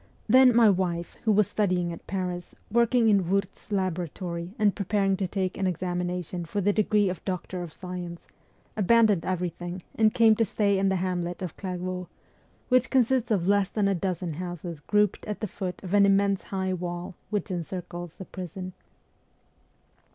Then my wife, who was studying at Paris, working in "Wurtz's laboratory and preparing to take an examination for the degree of Doctor of Science, abandoned everything, and came to stay in the hamlet of Clairvaux, which consists of less than a dozen houses grouped at the foot of an immense high wall which encircles the prison.